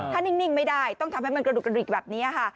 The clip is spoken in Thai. ถ้านิ่งไม่ได้ต้องทำให้มันกระดูกกระดิกแบบนี้ค่ะ